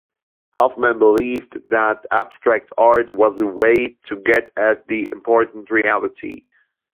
Hofmann believed that abstract art was a way to get at the important reality.